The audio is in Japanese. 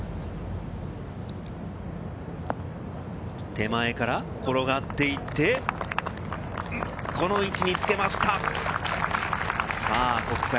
手前から転がっていって、この位置につけました。